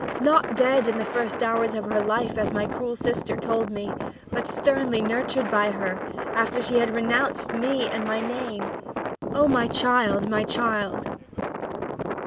Not dead in the first hours of her life, as my cruel sister told me, but sternly nurtured by her, after she had renounced me and my name! Oh, my child! My child!"